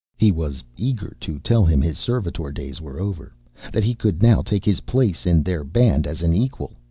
He was eager to tell him his servitor days were over, that he could now take his place in their band as an equal.